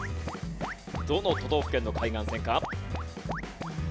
どの都道府県の海岸線か？